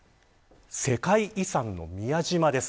世界遺産の宮島です。